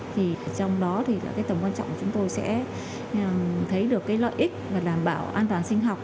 trong đó tổng quan trọng chúng tôi sẽ thấy được lợi ích và đảm bảo an toàn sinh học